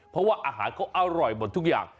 เพราะว่าอาหารเขาอร่อยหมดทุกอย่าง